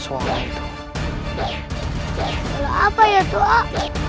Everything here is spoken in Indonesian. suara apa ya itu ah